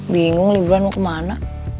bingung liburan mau ke mana